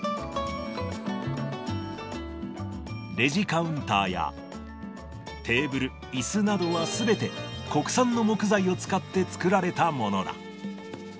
レジカウンターやテーブル、いすなどはすべて国産の木材を使って作られたものだ。